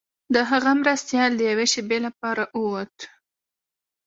د هغه مرستیال د یوې شیبې لپاره ووت.